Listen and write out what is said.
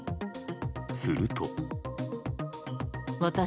すると。